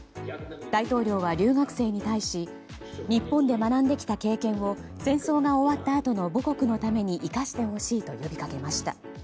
大統領は留学生に対し日本で学んできた経験を戦争が終わったあとの母国のために生かしてほしいと呼びかけました。